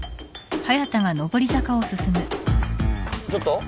ちょっと？